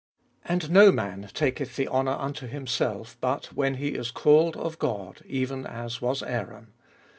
And no man taketh the honour unto himself, but when he Is called of God, even as was Aaron.